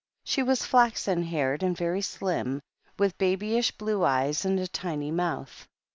She was flaxen haired and very slim, with babyish blue eyes and a tiny mouth.